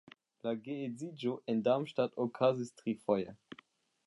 La geedziĝo en Darmstadt okazis trifoje.